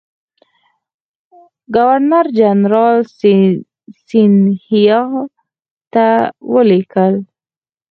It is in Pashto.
ګورنرجنرال سیندهیا ته ولیکل.